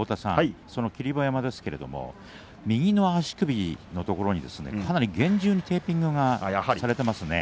霧馬山ですが右の足首のところにかなり厳重にテーピングをしています。